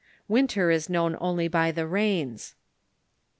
Winter is known only by the rains.